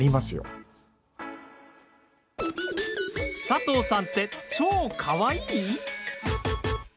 佐藤さんって「超かわいい」！